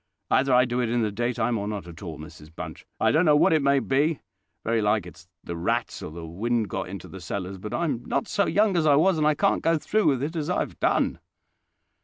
"Either I do it in the daytime or not at all, Mrs Bunch. I don't know what it may be: very like it's the rats, or the wind got into the cellars; but I'm not so young as I was, and I can't go through with it as I have done."